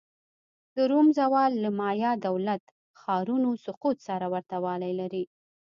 د روم زوال له مایا دولت-ښارونو سقوط سره ورته والی لري